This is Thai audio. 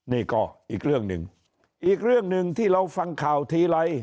นี่ก็อีกเรื่องหนึ่งอีกเรื่องหนึ่งที่เราฟังข่าวทีไร